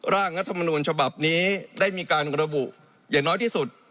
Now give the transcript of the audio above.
ร่างรัฐมนูลฉบับนี้ได้มีการระบุอย่างน้อยที่สุด